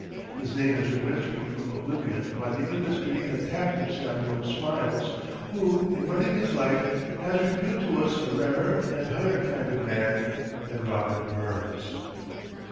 His name has been rescued from oblivion by the industry and tact of Samuel Smiles, who, in writing his life, has revealed to us a rarer and higher kind of man than Robert Burns.